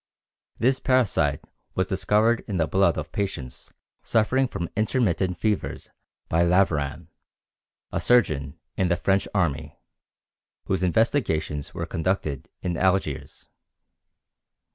This parasite was discovered in the blood of patients suffering from intermittent fevers by Laveran, a surgeon in the French army, whose investigations were conducted in Algiers.